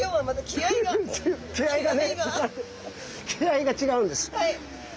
気合いが違うんです。